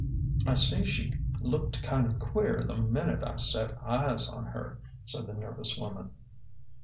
" I see she looked kind of queer the minute I set eyes on her," said the nervous woman.